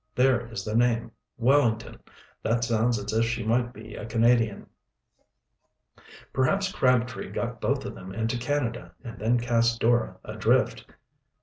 There is the name Wellington. That sounds as if she might be a Canadian." "Perhaps Crabtree got both of them into Canada and then cast Dora adrift."